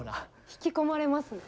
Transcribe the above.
引き込まれますね。